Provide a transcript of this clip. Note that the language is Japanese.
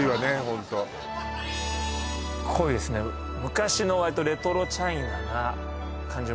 ホントこういうですね昔のわりとレトロチャイナな感じ